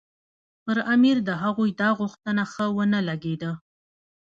پر امیر د هغوی دا غوښتنه ښه ونه لګېده.